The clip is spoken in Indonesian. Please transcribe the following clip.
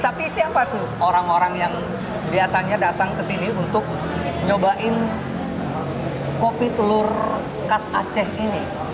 tapi siapa tuh orang orang yang biasanya datang ke sini untuk nyobain kopi telur khas aceh ini